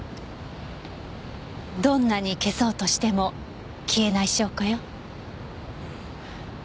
どんなに消そうとしても消えない証拠よ。